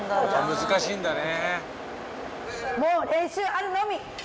難しいんだね。